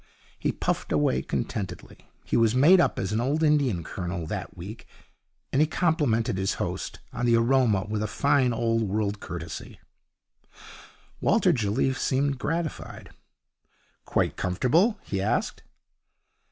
He puffed away contentedly. He was made up as an old Indian colonel that week, and he complimented his host on the aroma with a fine old world courtesy. Walter Jelliffe seemed gratified. 'Quite comfortable?' he asked.